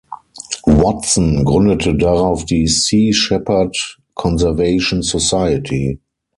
Watson gründete darauf die Sea Shepherd Conservation Society.